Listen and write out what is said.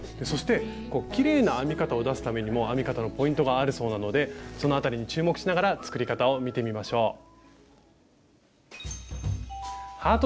そしてきれいな編み方を出すためにも編み方のポイントがあるそうなのでそのあたりに注目しながら作り方を見てみましょう。